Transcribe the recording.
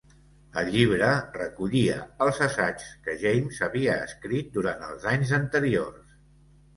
El llibre recollia els assaigs que James havia escrit durant els anys anteriors.